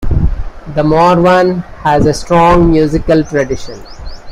The Morvan has a strong musical tradition.